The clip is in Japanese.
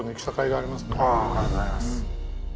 ありがとうございます。